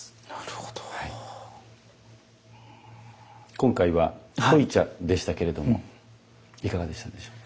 今回は濃茶でしたけれどもいかがでしたでしょうか。